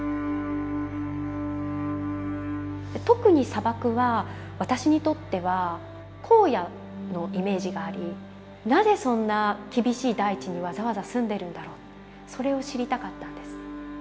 特に砂漠は私にとっては荒野のイメージがありなぜそんな厳しい大地にわざわざ住んでるんだろうそれを知りたかったんです。